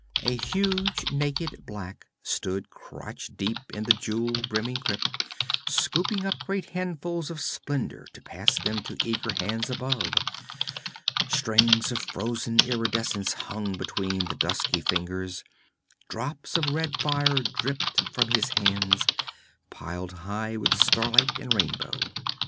A huge naked black stood crotch deep in the jewel brimming crypt, scooping up great handfuls of splendor to pass them to eager hands above. Strings of frozen iridescence hung between his dusky fingers; drops of red fire dripped from his hands, piled high with starlight and rainbow.